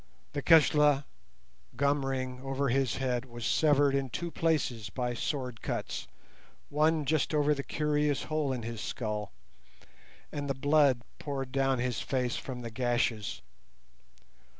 The "keshla" gum ring upon his head was severed in two places by sword cuts, one just over the curious hole in his skull, and the blood poured down his face from the gashes.